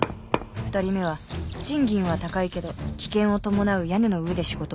２人目は賃金は高いけど危険を伴う屋根の上で仕事をしていた。